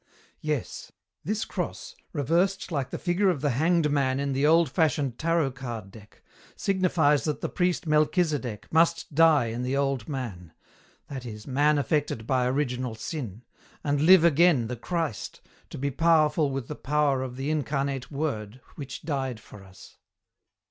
"Yes, this cross, reversed like the figure of the Hanged Man in the old fashioned Tarot card deck, signifies that the priest Melchisedek must die in the Old Man that is, man affected by original sin and live again the Christ, to be powerful with the power of the Incarnate Word which died for us."